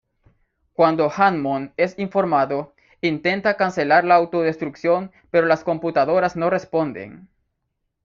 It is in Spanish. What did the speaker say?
Cuando Hammond es informado, intenta cancelar la Autodestrucción pero las computadoras no responden.